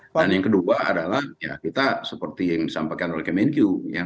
dan yang kedua adalah seperti yang disampaikan oleh kemenku